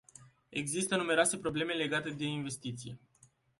Există numeroase probleme legate de investiție.